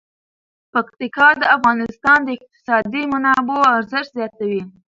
پکتیکا د افغانستان د اقتصادي منابعو ارزښت زیاتوي.